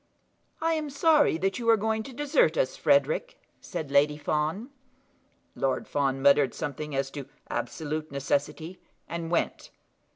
"I am sorry that you are going to desert us, Frederic," said Lady Fawn. Lord Fawn muttered something as to absolute necessity, and went.